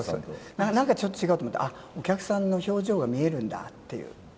なんかちょっと違うなと思ったら、お客さんの表情が見えるんだって。